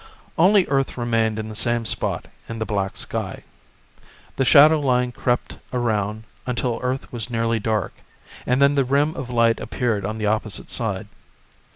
Only Earth remained in the same spot in the black sky. The shadow line crept around until Earth was nearly dark, and then the rim of light appeared on the opposite side.